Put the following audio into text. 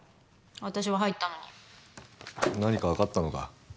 私は入ったのに何か分かったのか？